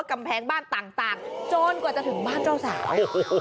กำแพงบ้านต่างจนกว่าจะถึงบ้านเจ้าสาว